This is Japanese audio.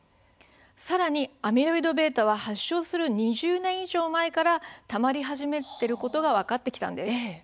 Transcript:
さらにアミロイドβは発症する２０年以上前からたまり始めていることが分かってきたんです。